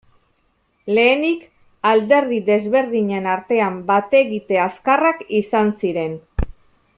Lehenik, alderdi desberdinen artean bat egite azkarrak izan ziren.